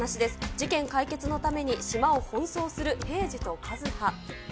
事件解決のために、島を奔走する平次と和葉。